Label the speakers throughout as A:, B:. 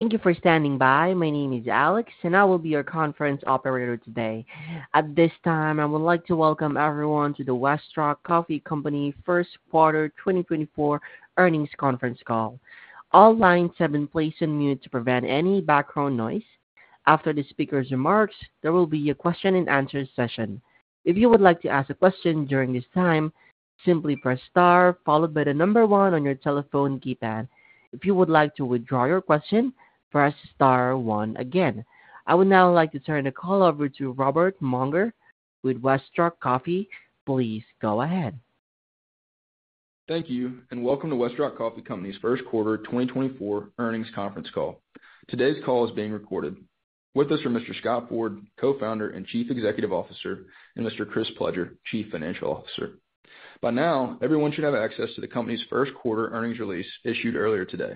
A: Thank you for standing by. My name is Alex, and I will be your conference operator today. At this time, I would like to welcome everyone to the Westrock Coffee Company first quarter 2024 earnings conference call. All lines have been placed on mute to prevent any background noise. After the speaker's remarks, there will be a question-and-answer session. If you would like to ask a question during this time, simply press star followed by the number one on your telephone keypad. If you would like to withdraw your question, press star one again. I would now like to turn the call over to Robert Mounger with Westrock Coffee. Please go ahead.
B: Thank you, and welcome to Westrock Coffee Company's first quarter 2024 earnings conference call. Today's call is being recorded. With us are Mr. Scott Ford, Co-Founder and Chief Executive Officer, and Mr. Chris Pledger, Chief Financial Officer. By now, everyone should have access to the company's first quarter earnings release issued earlier today.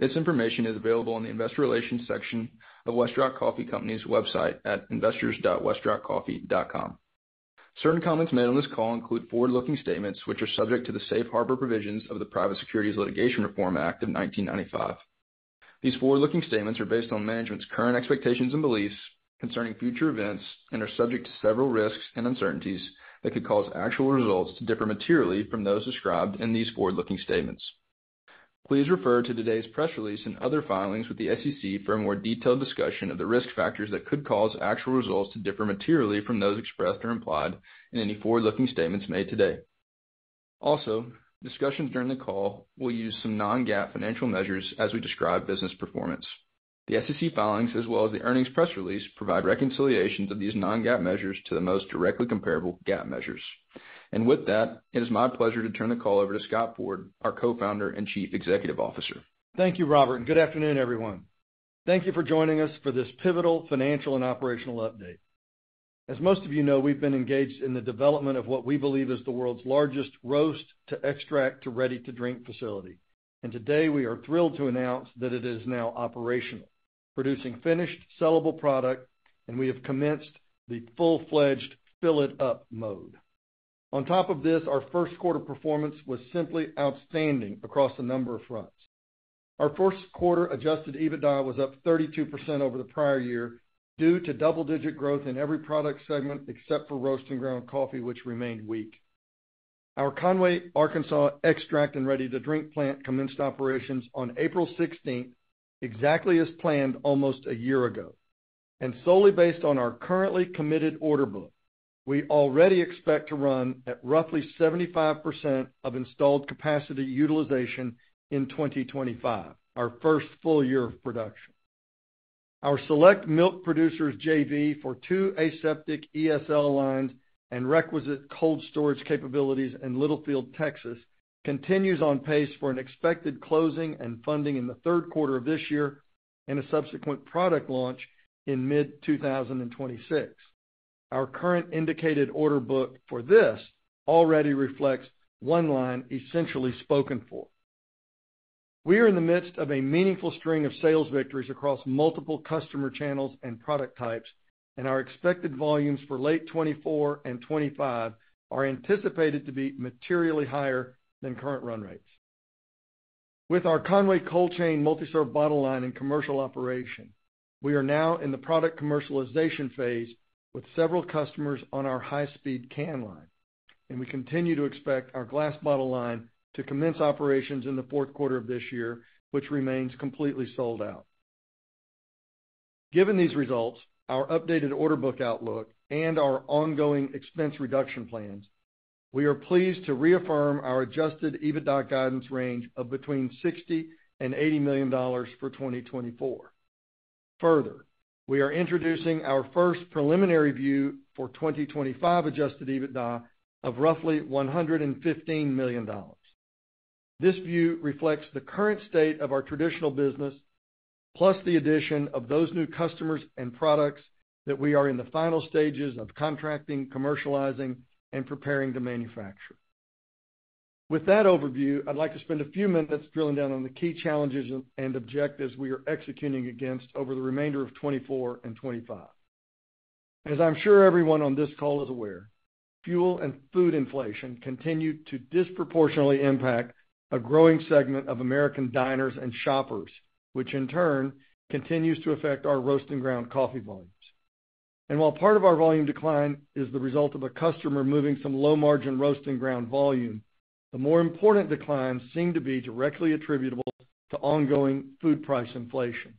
B: This information is available in the investor relations section of Westrock Coffee Company's website at investors.westrockcoffee.com. Certain comments made on this call include forward-looking statements which are subject to the Safe Harbor provisions of the Private Securities Litigation Reform Act of 1995. These forward-looking statements are based on management's current expectations and beliefs concerning future events and are subject to several risks and uncertainties that could cause actual results to differ materially from those described in these forward-looking statements. Please refer to today's press release and other filings with the SEC for a more detailed discussion of the risk factors that could cause actual results to differ materially from those expressed or implied in any forward-looking statements made today. Also, discussions during the call will use some non-GAAP financial measures as we describe business performance. The SEC filings, as well as the earnings press release, provide reconciliations of these non-GAAP measures to the most directly comparable GAAP measures. With that, it is my pleasure to turn the call over to Scott Ford, our Co-Founder and Chief Executive Officer.
C: Thank you, Robert. Good afternoon, everyone. Thank you for joining us for this pivotal financial and operational update. As most of you know, we've been engaged in the development of what we believe is the world's largest roast-to-extract-to-ready-to-drink facility, and today we are thrilled to announce that it is now operational, producing finished, sellable product, and we have commenced the full-fledged fill-it-up mode. On top of this, our first quarter performance was simply outstanding across a number of fronts. Our first quarter Adjusted EBITDA was up 32% over the prior year due to double-digit growth in every product segment except for roast and ground coffee, which remained weak. Our Conway, Arkansas extract-and-ready-to-drink plant commenced operations on April 16th, exactly as planned almost a year ago. Solely based on our currently committed order book, we already expect to run at roughly 75% of installed capacity utilization in 2025, our first full year of production. Our Select Milk Producers JV for two aseptic ESL lines and requisite cold storage capabilities in Littlefield, Texas, continues on pace for an expected closing and funding in the third quarter of this year and a subsequent product launch in mid-2026. Our current indicated order book for this already reflects one line essentially spoken for. We are in the midst of a meaningful string of sales victories across multiple customer channels and product types, and our expected volumes for late 2024 and 2025 are anticipated to be materially higher than current run rates. With our Conway cold chain multiserve bottle line in commercial operation, we are now in the product commercialization phase with several customers on our high-speed can line, and we continue to expect our glass bottle line to commence operations in the fourth quarter of this year, which remains completely sold out. Given these results, our updated order book outlook, and our ongoing expense reduction plans, we are pleased to reaffirm our Adjusted EBITDA guidance range of between $60 million and $80 million for 2024. Further, we are introducing our first preliminary view for 2025 Adjusted EBITDA of roughly $115 million. This view reflects the current state of our traditional business, plus the addition of those new customers and products that we are in the final stages of contracting, commercializing, and preparing to manufacture. With that overview, I'd like to spend a few minutes drilling down on the key challenges and objectives we are executing against over the remainder of 2024 and 2025. As I'm sure everyone on this call is aware, fuel and food inflation continue to disproportionately impact a growing segment of American diners and shoppers, which in turn continues to affect our roast and ground coffee volumes. While part of our volume decline is the result of a customer moving some low-margin roast and ground volume, the more important declines seem to be directly attributable to ongoing food price inflation.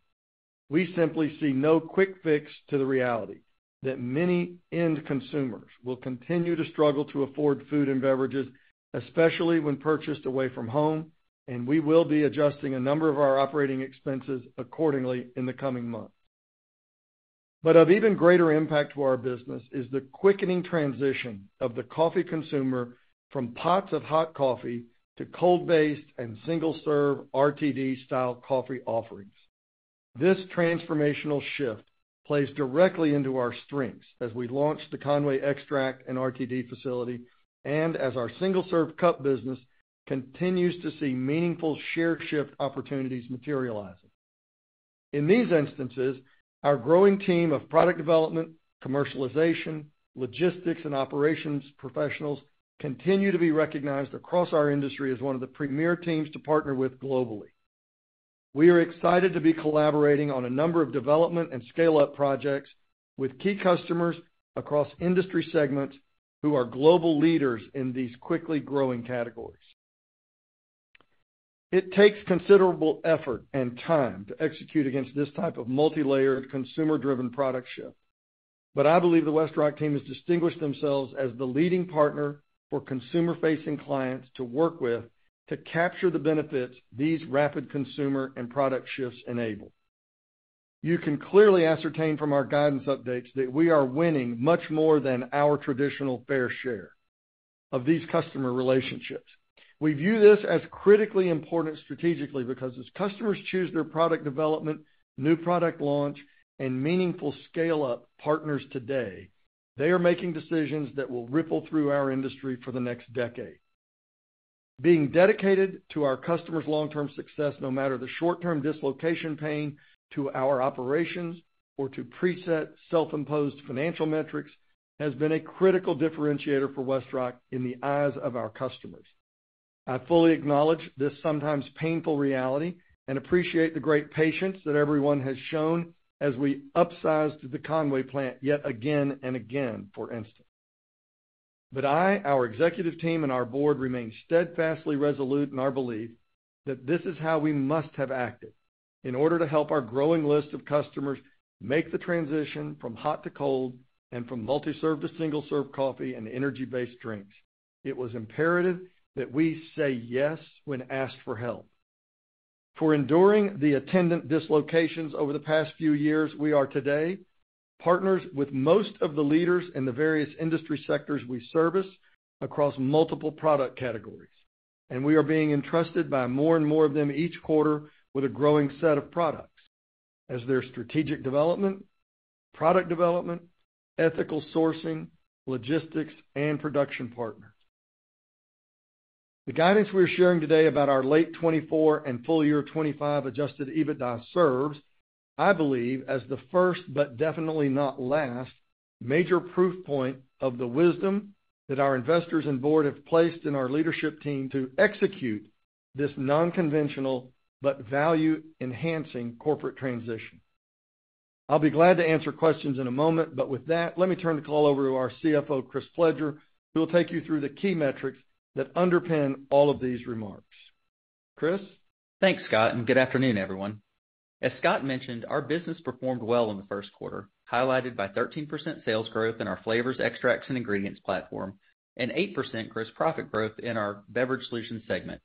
C: We simply see no quick fix to the reality that many end consumers will continue to struggle to afford food and beverages, especially when purchased away from home, and we will be adjusting a number of our operating expenses accordingly in the coming months. But of even greater impact to our business is the quickening transition of the coffee consumer from pots of hot coffee to cold-based and single-serve RTD-style coffee offerings. This transformational shift plays directly into our strengths as we launch the Conway extract and RTD facility and as our single-serve cup business continues to see meaningful share-shift opportunities materializing. In these instances, our growing team of product development, commercialization, logistics, and operations professionals continue to be recognized across our industry as one of the premier teams to partner with globally. We are excited to be collaborating on a number of development and scale-up projects with key customers across industry segments who are global leaders in these quickly growing categories. It takes considerable effort and time to execute against this type of multi-layered, consumer-driven product shift, but I believe the Westrock team has distinguished themselves as the leading partner for consumer-facing clients to work with to capture the benefits these rapid consumer and product shifts enable. You can clearly ascertain from our guidance updates that we are winning much more than our traditional fair share of these customer relationships. We view this as critically important strategically because as customers choose their product development, new product launch, and meaningful scale-up partners today, they are making decisions that will ripple through our industry for the next decade. Being dedicated to our customers' long-term success, no matter the short-term dislocation pain, to our operations or to preset self-imposed financial metrics has been a critical differentiator for Westrock in the eyes of our customers. I fully acknowledge this sometimes painful reality and appreciate the great patience that everyone has shown as we upsized the Conway plant yet again and again, for instance. But I, our executive team, and our board remain steadfastly resolute in our belief that this is how we must have acted. In order to help our growing list of customers make the transition from hot to cold and from multi-serve to single-serve coffee and energy-based drinks, it was imperative that we say yes when asked for help. For enduring the attendant dislocations over the past few years, we are today partners with most of the leaders in the various industry sectors we service across multiple product categories, and we are being entrusted by more and more of them each quarter with a growing set of products as their strategic development, product development, ethical sourcing, logistics, and production partners. The guidance we are sharing today about our late 2024 and full year 2025 Adjusted EBITDA serves, I believe, as the first but definitely not last major proof point of the wisdom that our investors and board have placed in our leadership team to execute this non-conventional but value-enhancing corporate transition. I'll be glad to answer questions in a moment, but with that, let me turn the call over to our CFO, Chris Pledger, who will take you through the key metrics that underpin all of these remarks. Chris?
D: Thanks, Scott, and good afternoon, everyone. As Scott mentioned, our business performed well in the first quarter, highlighted by 13% sales growth in our flavors, extracts, and ingredients platform and 8%, gross profit growth in our beverage solutions segment,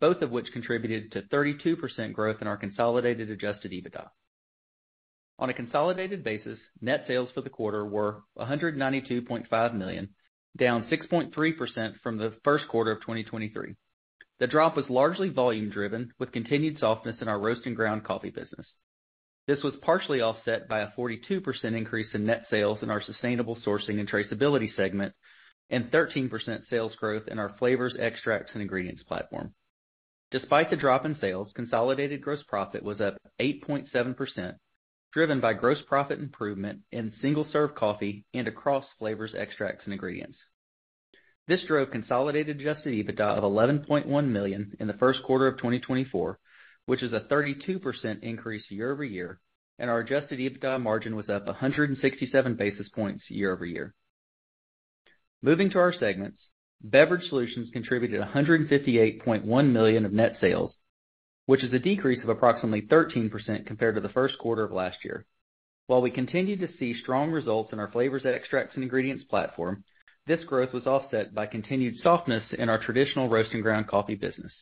D: both of which contributed to 32% growth in our consolidated Adjusted EBITDA. On a consolidated basis, net sales for the quarter were $192.5 million, down 6.3% from the first quarter of 2023. The drop was largely volume-driven, with continued softness in our roast and ground coffee business. This was partially offset by a 42% increase in net sales in our sustainable sourcing and traceability segment and 13% sales growth in our flavors, extracts, and ingredients platform. Despite the drop in sales, consolidated gross profit was up 8.7%, driven by gross profit improvement in single-serve coffee and across flavors, extracts, and ingredients. This drove consolidated adjusted EBITDA of $11.1 million in the first quarter of 2024, which is a 32% increase year-over-year, and our adjusted EBITDA margin was up 167 basis points year-over-year. Moving to our segments, beverage solutions contributed $158.1 million of net sales, which is a decrease of approximately 13% compared to the first quarter of last year. While we continue to see strong results in our flavors, extracts, and ingredients platform, this growth was offset by continued softness in our traditional roast and ground coffee business.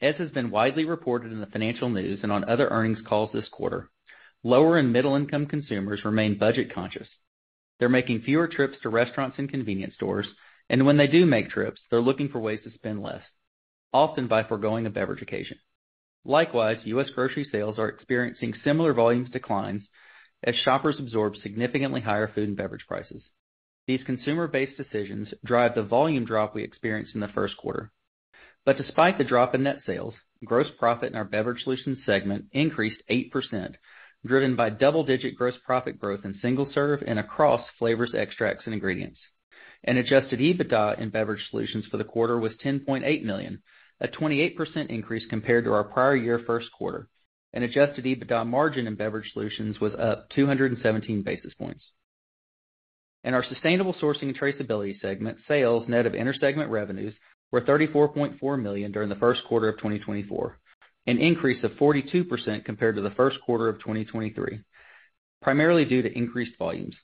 D: As has been widely reported in the financial news and on other earnings calls this quarter, lower and middle-income consumers remain budget-conscious. They're making fewer trips to restaurants and convenience stores, and when they do make trips, they're looking for ways to spend less, often by forgoing a beverage occasion. Likewise, U.S. Grocery sales are experiencing similar volume declines as shoppers absorb significantly higher food and beverage prices. These consumer-based decisions drive the volume drop we experienced in the first quarter. Despite the drop in net sales, gross profit in our beverage solutions segment increased 8%, driven by double-digit gross profit growth in single-serve and across flavors, extracts, and ingredients. Adjusted EBITDA in beverage solutions for the quarter was $10.8 million, a 28% increase compared to our prior year first quarter, and adjusted EBITDA margin in beverage solutions was up 217 basis points. In our sustainable sourcing and traceability segment, sales net of intersegment revenues were $34.4 million during the first quarter of 2024, an increase of 42% compared to the first quarter of 2023, primarily due to increased volumes.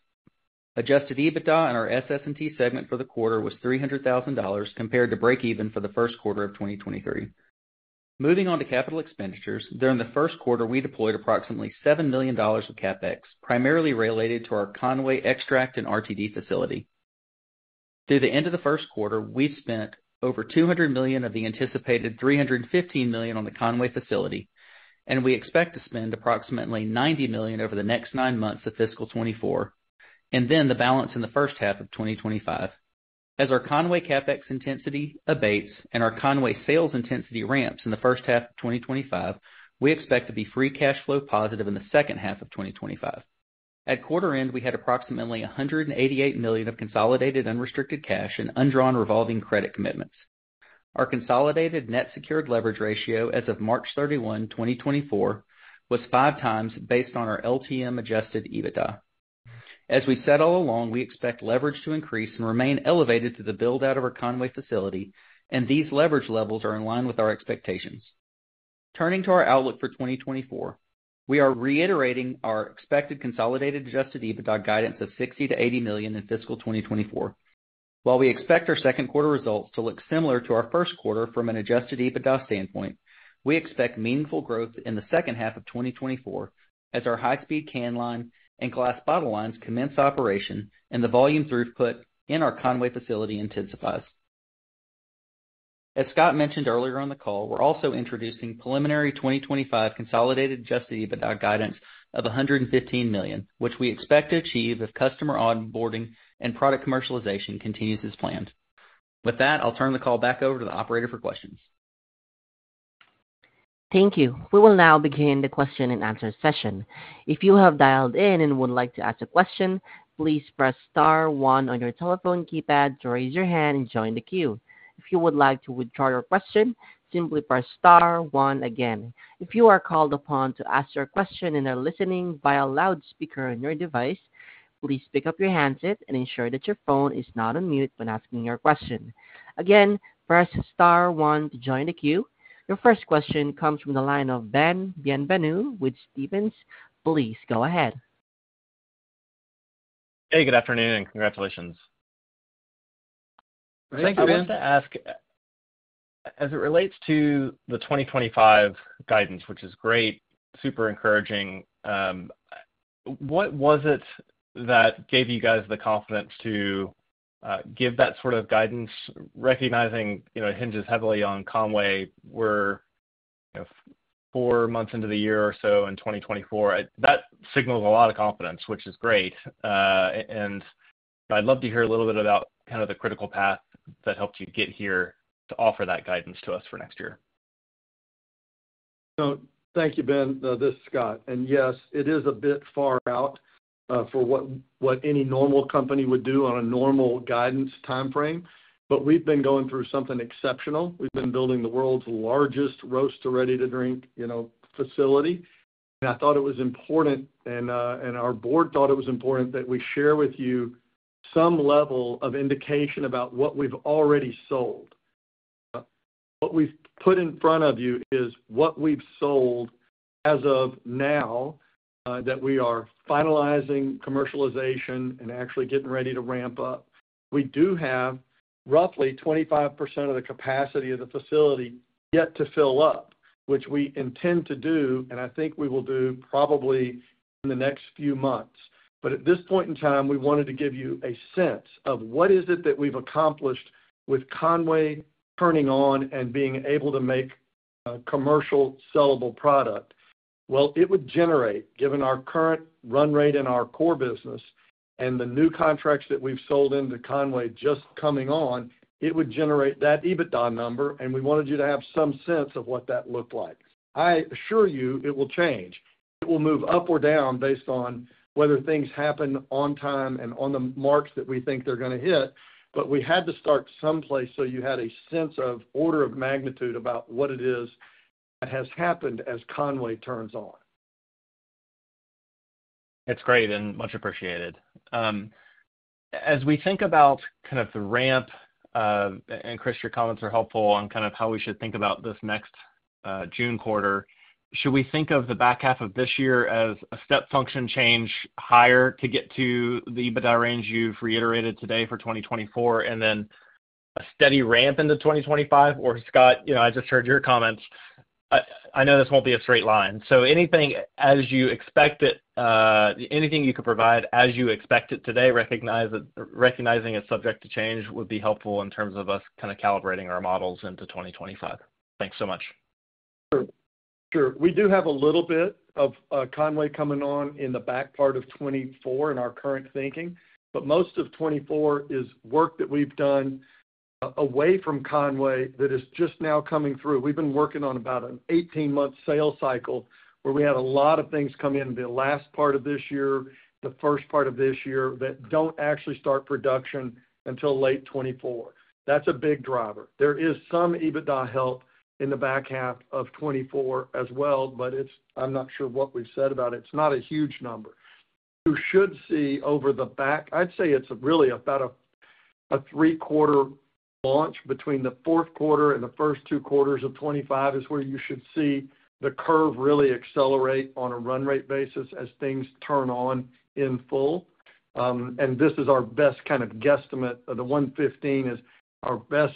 D: Adjusted EBITDA in our SS&T segment for the quarter was $300,000 compared to break-even for the first quarter of 2023. Moving on to capital expenditures, during the first quarter, we deployed approximately $7 million of CapEx, primarily related to our Conway extract and RTD facility. Through the end of the first quarter, we spent over $200 million of the anticipated $315 million on the Conway facility, and we expect to spend approximately $90 million over the next nine months of fiscal 2024 and then the balance in the first half of 2025. As our Conway CapEx intensity abates and our Conway sales intensity ramps in the first half of 2025, we expect to be free cash flow positive in the second half of 2025. At quarter-end, we had approximately $188 million of consolidated unrestricted cash and undrawn revolving credit commitments. Our consolidated net secured leverage ratio as of March 31, 2024, was 5x based on our LTM Adjusted EBITDA. As we set all along, we expect leverage to increase and remain elevated through the build-out of our Conway facility, and these leverage levels are in line with our expectations. Turning to our outlook for 2024, we are reiterating our expected consolidated Adjusted EBITDA guidance of $60 million-$80 million in fiscal 2024. While we expect our second quarter results to look similar to our first quarter from an Adjusted EBITDA standpoint, we expect meaningful growth in the second half of 2024 as our high-speed can line and glass bottle lines commence operation and the volume throughput in our Conway facility intensifies. As Scott mentioned earlier on the call, we're also introducing preliminary 2025 consolidated Adjusted EBITDA guidance of $115 million, which we expect to achieve if customer onboarding and product commercialization continues as planned. With that, I'll turn the call back over to the operator for questions.
A: Thank you. We will now begin the question-and-answer session. If you have dialed in and would like to ask a question, please press star one on your telephone keypad to raise your hand and join the queue. If you would like to withdraw your question, simply press star one again. If you are called upon to ask your question and are listening via a loudspeaker on your device, please pick up your handset and ensure that your phone is not on mute when asking your question. Again, press star one to join the queue. Your first question comes from the line of Ben Bienvenu with Stephens. Please go ahead.
E: Hey, good afternoon, and congratulations.
C: Thank you, Ben.
E: So I wanted to ask, as it relates to the 2025 guidance, which is great, super encouraging, what was it that gave you guys the confidence to give that sort of guidance, recognizing it hinges heavily on Conway? We're four months into the year or so in 2024. That signals a lot of confidence, which is great. And I'd love to hear a little bit about kind of the critical path that helped you get here to offer that guidance to us for next year.
C: So thank you, Ben. This is Scott. Yes, it is a bit far out for what any normal company would do on a normal guidance timeframe, but we've been going through something exceptional. We've been building the world's largest roast-to-ready-to-drink facility. I thought it was important, and our board thought it was important that we share with you some level of indication about what we've already sold. What we've put in front of you is what we've sold as of now that we are finalizing commercialization and actually getting ready to ramp up. We do have roughly 25% of the capacity of the facility yet to fill up, which we intend to do, and I think we will do probably in the next few months. At this point in time, we wanted to give you a sense of what is it that we've accomplished with Conway turning on and being able to make commercial sellable product. Well, it would generate, given our current run rate in our core business and the new contracts that we've sold into Conway just coming on, it would generate that EBITDA number, and we wanted you to have some sense of what that looked like. I assure you it will change. It will move up or down based on whether things happen on time and on the marks that we think they're going to hit, but we had to start someplace so you had a sense of order of magnitude about what it is that has happened as Conway turns on. That's great and much appreciated. As we think about kind of the ramp, and Chris, your comments are helpful on kind of how we should think about this next June quarter, should we think of the back half of this year as a step function change higher to get to the EBITDA range you've reiterated today for 2024 and then a steady ramp into 2025? Or Scott, I just heard your comments. I know this won't be a straight line. So anything as you expect it, anything you could provide as you expect it today, recognizing it's subject to change would be helpful in terms of us kind of calibrating our models into 2025. Thanks so much. Sure. Sure. We do have a little bit of Conway coming on in the back part of 2024 in our current thinking, but most of 2024 is work that we've done away from Conway that is just now coming through. We've been working on about an 18-month sales cycle where we had a lot of things come in the last part of this year, the first part of this year that don't actually start production until late 2024. That's a big driver. There is some EBITDA help in the back half of 2024 as well, but I'm not sure what we've said about it. It's not a huge number. You should see over the back. I'd say it's really about a three-quarter launch between the fourth quarter and the first two quarters of 2025 is where you should see the curve really accelerate on a run rate basis as things turn on in full. And this is our best kind of guesstimate. The 115 is our best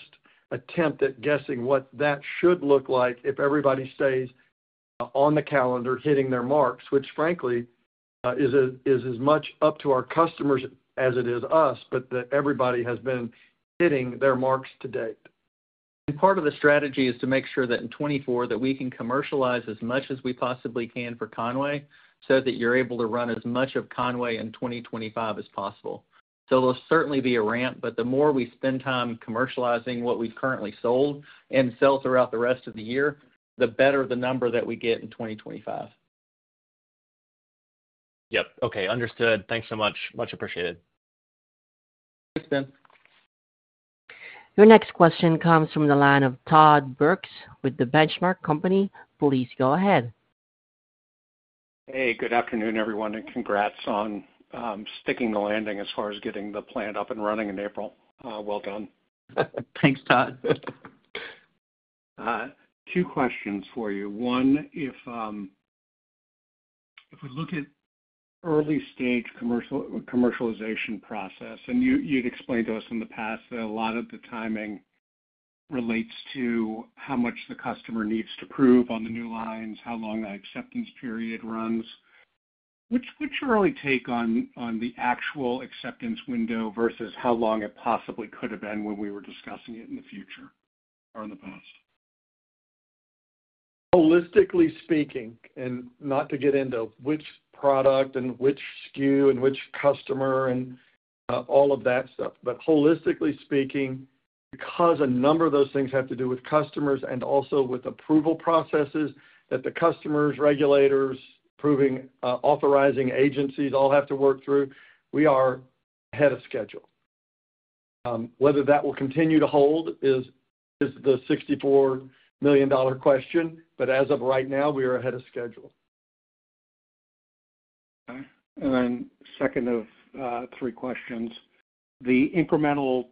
C: attempt at guessing what that should look like if everybody stays on the calendar hitting their marks, which frankly is as much up to our customers as it is us, but that everybody has been hitting their marks to date.
D: Part of the strategy is to make sure that in 2024 that we can commercialize as much as we possibly can for Conway so that you're able to run as much of Conway in 2025 as possible. There'll certainly be a ramp, but the more we spend time commercializing what we've currently sold and sell throughout the rest of the year, the better the number that we get in 2025.
E: Yep. Okay. Understood. Thanks so much. Much appreciated.
D: Thanks, Ben.
A: Your next question comes from the line of Todd Brooks with The Benchmark Company. Please go ahead.
F: Hey, good afternoon, everyone, and congrats on sticking the landing as far as getting the plant up and running in April. Well done.
C: Thanks, Todd.
F: Two questions for you. One, if we look at early-stage commercialization process, and you'd explained to us in the past that a lot of the timing relates to how much the customer needs to prove on the new lines, how long that acceptance period runs. What's your early take on the actual acceptance window versus how long it possibly could have been when we were discussing it in the future or in the past?
C: Holistically speaking, and not to get into which product and which SKU and which customer and all of that stuff, but holistically speaking, because a number of those things have to do with customers and also with approval processes that the customers, regulators, authorizing agencies all have to work through, we are ahead of schedule. Whether that will continue to hold is the $64 million question, but as of right now, we are ahead of schedule. Okay. And then second of three questions, the incremental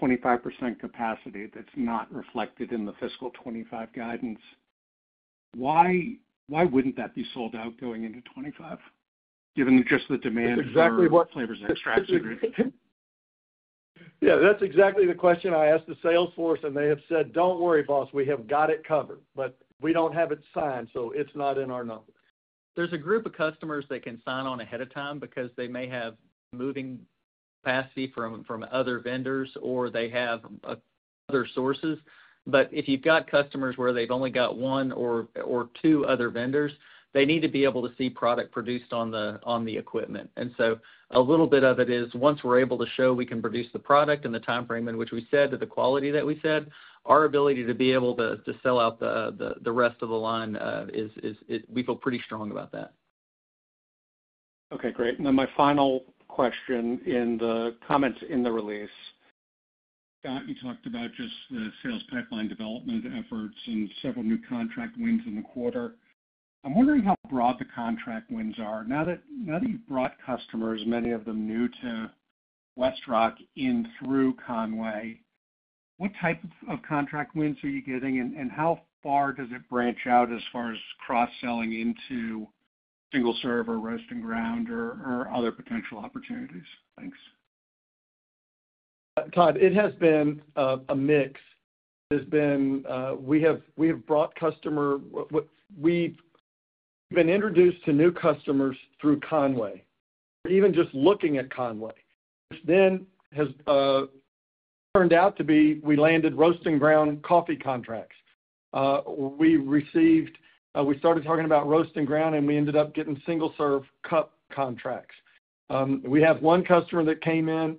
C: 25% capacity that's not reflected in the fiscal 2025 guidance, why wouldn't that be sold out going into 2025, given just the demand for flavors extracts? Yeah, that's exactly the question I asked the salesforce, and they have said, "Don't worry, boss. We have got it covered, but we don't have it signed, so it's not in our number.
D: There's a group of customers that can sign on ahead of time because they may have moving capacity from other vendors or they have other sources. But if you've got customers where they've only got one or two other vendors, they need to be able to see product produced on the equipment. And so a little bit of it is once we're able to show we can produce the product in the timeframe in which we said to the quality that we said, our ability to be able to sell out the rest of the line, we feel pretty strong about that.
F: Okay. Great. And then my final question in the comments in the release. Scott, you talked about just the sales pipeline development efforts and several new contract wins in the quarter. I'm wondering how broad the contract wins are. Now that you've brought customers, many of them new to Westrock in through Conway, what type of contract wins are you getting, and how far does it branch out as far as cross-selling into single-serve, roast and ground, or other potential opportunities? Thanks.
C: Todd, it has been a mix. We have brought customer we've been introduced to new customers through Conway, even just looking at Conway, which then has turned out to be we landed roast and ground coffee contracts. We started talking about roast and ground, and we ended up getting single-serve cup contracts. We have one customer that came in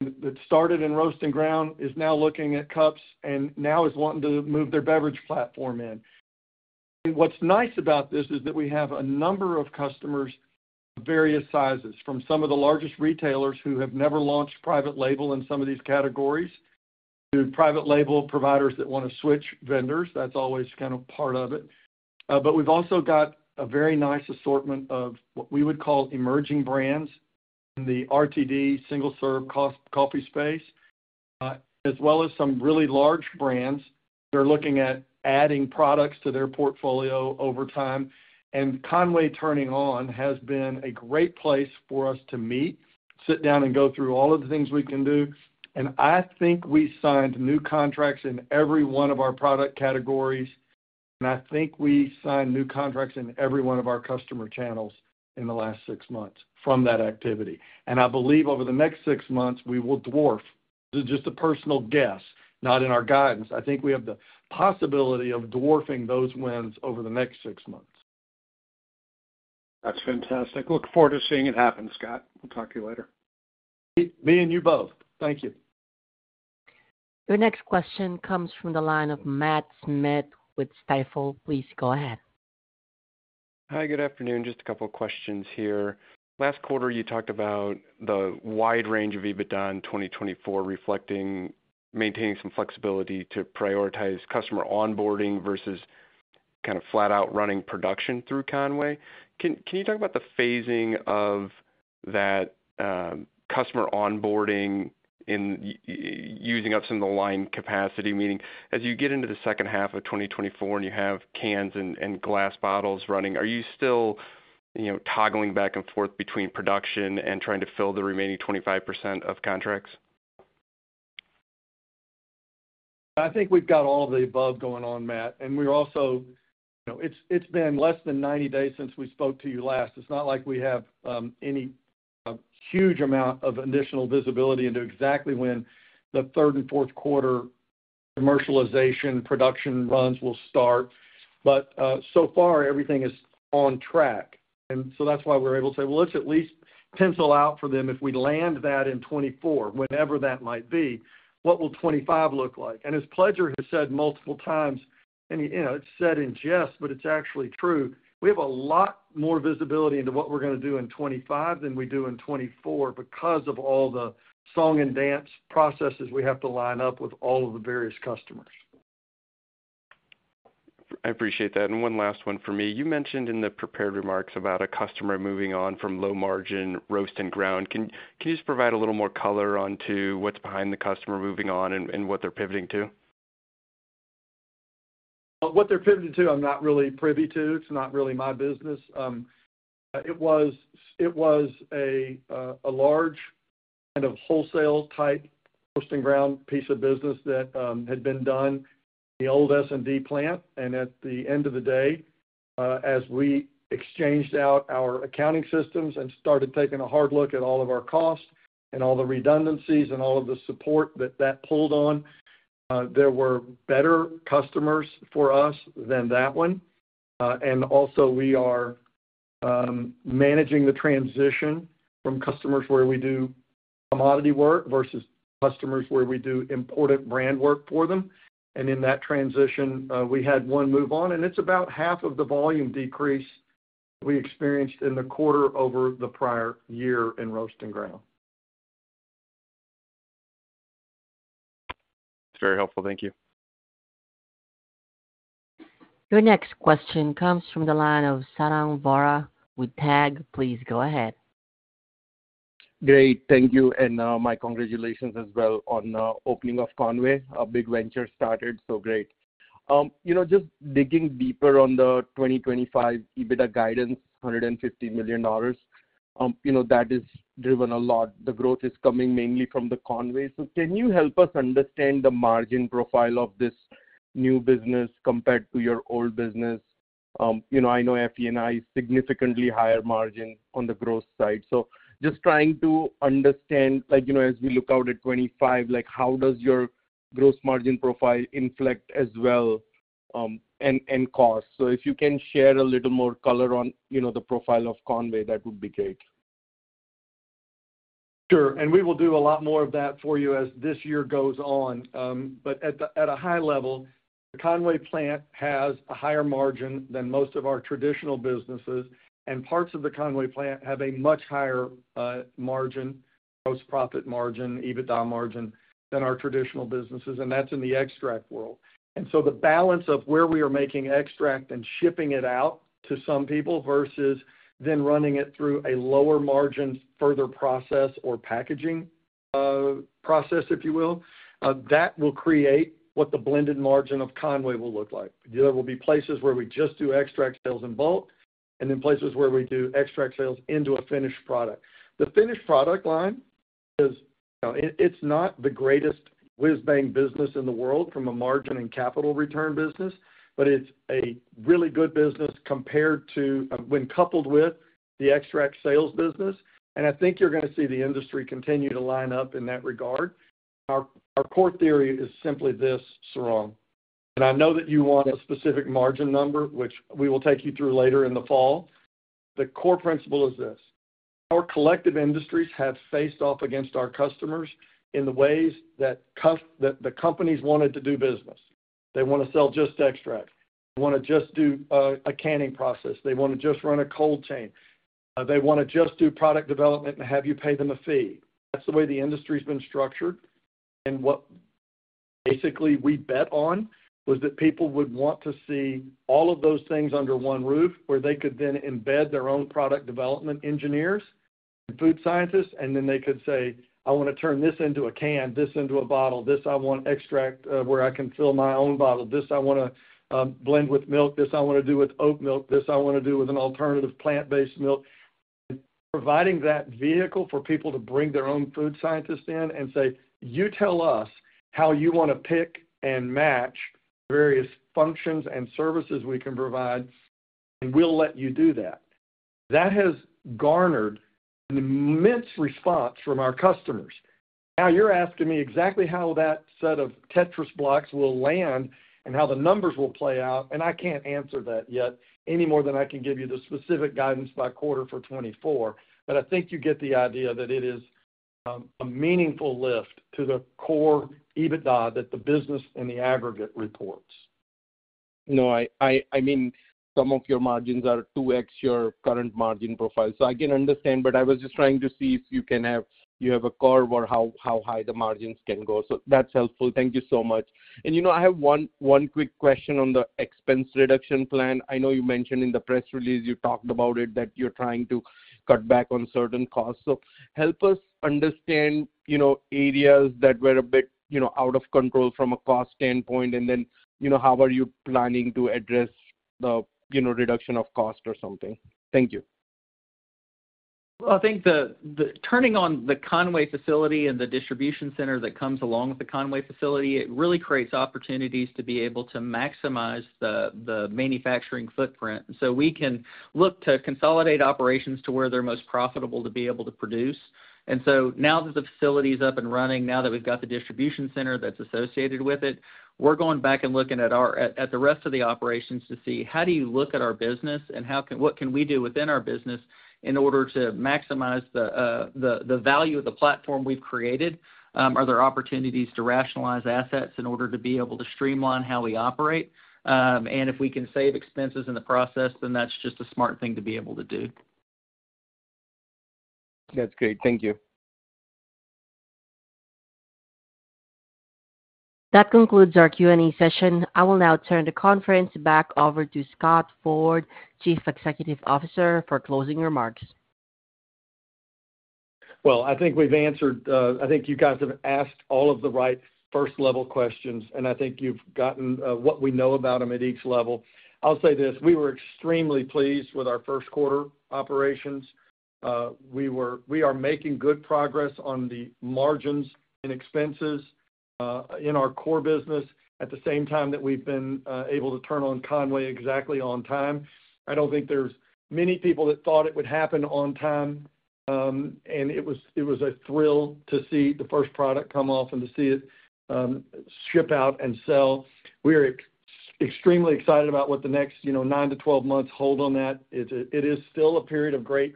C: that started in roast and ground, is now looking at cups, and now is wanting to move their beverage platform in. What's nice about this is that we have a number of customers of various sizes, from some of the largest retailers who have never launched private label in some of these categories to private label providers that want to switch vendors. That's always kind of part of it. But we've also got a very nice assortment of what we would call emerging brands in the RTD single serve coffee space, as well as some really large brands that are looking at adding products to their portfolio over time. And Conway turning on has been a great place for us to meet, sit down, and go through all of the things we can do. And I think we signed new contracts in every one of our product categories, and I think we signed new contracts in every one of our customer channels in the last six months from that activity. And I believe over the next six months, we will dwarf. This is just a personal guess, not in our guidance. I think we have the possibility of dwarfing those wins over the next six months.
F: That's fantastic. Look forward to seeing it happen, Scott. We'll talk to you later. Me and you both. Thank you.
A: Your next question comes from the line of Matt Smith with Stifel. Please go ahead.
G: Hi, good afternoon. Just a couple of questions here. Last quarter, you talked about the wide range of EBITDA in 2024 reflecting maintaining some flexibility to prioritize customer onboarding versus kind of flat-out running production through Conway. Can you talk about the phasing of that customer onboarding in using up some of the line capacity, meaning as you get into the second half of 2024 and you have cans and glass bottles running, are you still toggling back and forth between production and trying to fill the remaining 25% of contracts?
C: I think we've got all of the above going on, Matt. And we're also—it's been less than 90 days since we spoke to you last. It's not like we have any huge amount of additional visibility into exactly when the third and fourth quarter commercialization production runs will start. But so far, everything is on track. And so that's why we're able to say, "Well, let's at least pencil out for them if we land that in 2024, whenever that might be. What will 2025 look like?" And as Pledger has said multiple times, and it's said in jest, but it's actually true, we have a lot more visibility into what we're going to do in 2025 than we do in 2024 because of all the song and dance processes we have to line up with all of the various customers.
G: I appreciate that. One last one for me. You mentioned in the prepared remarks about a customer moving on from low-margin roast and ground. Can you just provide a little more color onto what's behind the customer moving on and what they're pivoting to?
C: What they're pivoting to, I'm not really privy to. It's not really my business. It was a large kind of wholesale-type roast and ground piece of business that had been done in the old S&D plant. And at the end of the day, as we exchanged out our accounting systems and started taking a hard look at all of our costs and all the redundancies and all of the support that that pulled on, there were better customers for us than that one. And also, we are managing the transition from customers where we do commodity work versus customers where we do imported brand work for them. And in that transition, we had one move on, and it's about half of the volume decrease that we experienced in the quarter over the prior year in roast and ground.
G: That's very helpful. Thank you.
A: Your next question comes from the line of Sarang Vora with TAG. Please go ahead.
H: Great. Thank you. And my congratulations as well on opening of Conway. A big venture started, so great. Just digging deeper on the 2025 EBITDA guidance, $150 million, that is driven a lot. The growth is coming mainly from the Conway. So can you help us understand the margin profile of this new business compared to your old business? I know FE&I is significantly higher margin on the gross side. So just trying to understand, as we look out at 2025, how does your gross margin profile inflect as well and costs? So if you can share a little more color on the profile of Conway, that would be great.
C: Sure. And we will do a lot more of that for you as this year goes on. But at a high level, the Conway plant has a higher margin than most of our traditional businesses, and parts of the Conway plant have a much higher gross profit margin, EBITDA margin, than our traditional businesses, and that's in the extract world. And so the balance of where we are making extract and shipping it out to some people versus then running it through a lower-margin further process or packaging process, if you will, that will create what the blended margin of Conway will look like. There will be places where we just do extract sales in bulk and then places where we do extract sales into a finished product. The finished product line is. It's not the greatest whiz-bang business in the world from a margin and capital return business, but it's a really good business when coupled with the extract sales business. I think you're going to see the industry continue to line up in that regard. Our core theory is simply this, Sarang. I know that you want a specific margin number, which we will take you through later in the fall. The core principle is this. Our collective industries have faced off against our customers in the ways that the companies wanted to do business. They want to sell just extract. They want to just do a canning process. They want to just run a cold chain. They want to just do product development and have you pay them a fee. That's the way the industry's been structured. What basically we bet on was that people would want to see all of those things under one roof where they could then embed their own product development engineers and food scientists, and then they could say, "I want to turn this into a can, this into a bottle. This I want extract where I can fill my own bottle. This I want to blend with milk. This I want to do with oat milk. This I want to do with an alternative plant-based milk." Providing that vehicle for people to bring their own food scientists in and say, "You tell us how you want to pick and match the various functions and services we can provide, and we'll let you do that." That has garnered an immense response from our customers. Now, you're asking me exactly how that set of Tetris blocks will land and how the numbers will play out, and I can't answer that yet any more than I can give you the specific guidance by quarter for 2024. But I think you get the idea that it is a meaningful lift to the core EBITDA that the business and the aggregate reports.
H: No, I mean, some of your margins are 2x your current margin profile. So I can understand, but I was just trying to see if you have a curve or how high the margins can go. So that's helpful. Thank you so much. I have one quick question on the expense reduction plan. I know you mentioned in the press release, you talked about it, that you're trying to cut back on certain costs. So help us understand areas that were a bit out of control from a cost standpoint, and then how are you planning to address the reduction of cost or something? Thank you.
D: Well, I think turning on the Conway facility and the distribution center that comes along with the Conway facility, it really creates opportunities to be able to maximize the manufacturing footprint. So we can look to consolidate operations to where they're most profitable to be able to produce. And so now that the facility's up and running, now that we've got the distribution center that's associated with it, we're going back and looking at the rest of the operations to see, "How do you look at our business, and what can we do within our business in order to maximize the value of the platform we've created? Are there opportunities to rationalize assets in order to be able to streamline how we operate? And if we can save expenses in the process, then that's just a smart thing to be able to do.
H: That's great. Thank you.
A: That concludes our Q&A session. I will now turn the conference back over to Scott Ford, Chief Executive Officer, for closing remarks.
C: Well, I think we've answered. I think you guys have asked all of the right first-level questions, and I think you've gotten what we know about them at each level. I'll say this. We were extremely pleased with our first quarter operations. We are making good progress on the margins and expenses in our core business at the same time that we've been able to turn on Conway exactly on time. I don't think there's many people that thought it would happen on time, and it was a thrill to see the first product come off and to see it ship out and sell. We are extremely excited about what the next nine to 12 months hold on that. It is still a period of great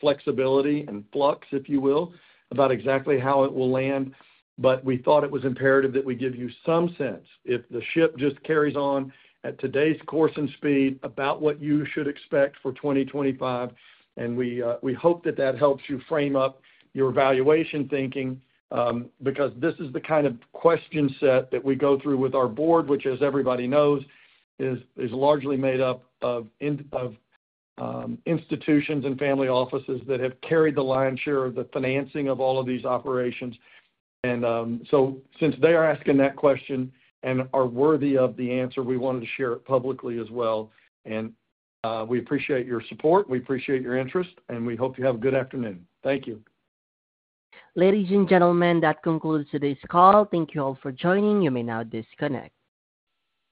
C: flexibility and flux, if you will, about exactly how it will land. We thought it was imperative that we give you some sense if the ship just carries on at today's course and speed about what you should expect for 2025. We hope that that helps you frame up your valuation thinking because this is the kind of question set that we go through with our board, which, as everybody knows, is largely made up of institutions and family offices that have carried the lion's share of the financing of all of these operations. Since they are asking that question and are worthy of the answer, we wanted to share it publicly as well. We appreciate your support. We appreciate your interest, and we hope you have a good afternoon. Thank you.
A: Ladies and gentlemen, that concludes today's call. Thank you all for joining. You may now disconnect.